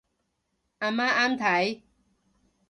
阿媽啱睇